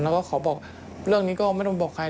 แล้วก็ขอบอกเรื่องนี้ก็ไม่ต้องบอกใคร